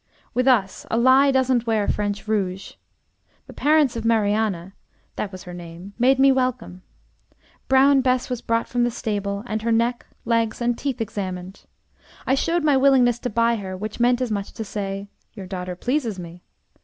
With us, a lie doesn't wear French rouge. The parents of Marianne (that was her name) made me welcome. Brown Bess was brought from the stable, and her neck, legs, and teeth examined. I showed my willingness to buy her, which meant as much as to say, 'Your daughter pleases me.'